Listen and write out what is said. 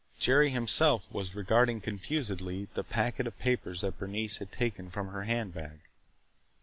Jerry himself was regarding confusedly the packet of papers that Bernice had taken from her hand bag.